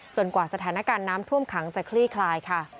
กว่าสถานการณ์น้ำท่วมขังจะคลี่คลายค่ะ